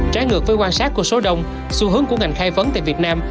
trái ngược với quan sát của số đông xu hướng của ngành khai vấn tại việt nam